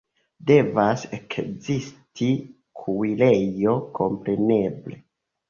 Devas ekzisti kuirejo, kompreneble.